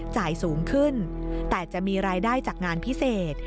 จ่ายสูงขึ้นแต่จะมีรายได้จากงานพิเศษ